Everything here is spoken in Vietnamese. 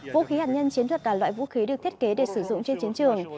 vũ khí hạt nhân chiến thuật là loại vũ khí được thiết kế để sử dụng trên chiến trường